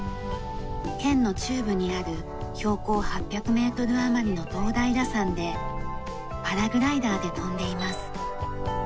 県の中部にある標高８００メートル余りの堂平山でパラグライダーで飛んでいます。